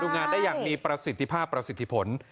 งานได้อย่างมีประสิทธิภาพประสิทธิผล